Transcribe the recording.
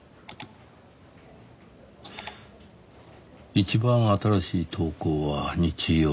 一番新しい投稿は日曜日。